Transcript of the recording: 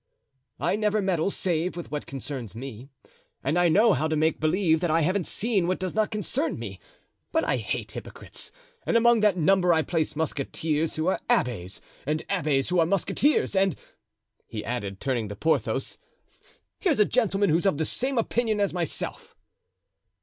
"I never meddle save with what concerns me, and I know how to make believe that I haven't seen what does not concern me; but I hate hypocrites, and among that number I place musketeers who are abbés and abbés who are musketeers; and," he added, turning to Porthos "here's a gentleman who's of the same opinion as myself."